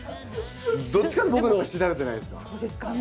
どっちかというと僕のほうがしだれてないですか？